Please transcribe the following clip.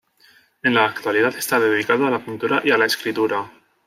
En la actualidad está dedicado a la pintura y a la escritura.